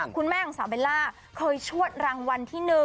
คุณแม่ของสาวเบลล่าเคยชวดรางวัลที่๑